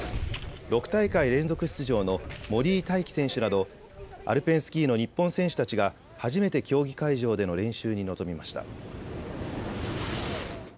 ６大会連続出場の森井大輝選手などアルペンスキーの日本選手たちが初めて競技会場での練習に臨みました。